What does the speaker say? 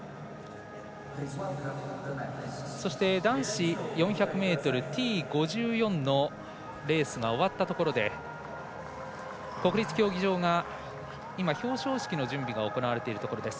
そして、男子４００ｍＴ５４のレースが終わったところで国立競技場が表彰式の準備が行われているところです。